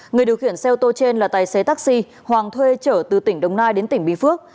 người điều khiển xe ô tô trên là tài xế taxi hoàng thuê trở từ tỉnh đồng nai đến tỉnh bình phước